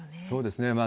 そうですね。